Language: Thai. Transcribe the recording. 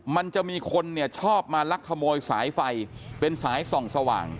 มันจะมีคนเนี่ยชอบมาลักขโมยสายไฟเป็นสายส่องสว่าง